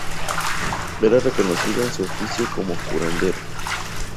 Era reconocido en su oficio como curandero.